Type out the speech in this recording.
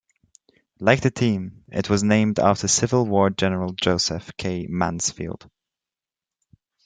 Like the team, it was named after Civil War General Joseph K. Mansfield.